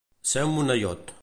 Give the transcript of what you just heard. Ser un moneiot.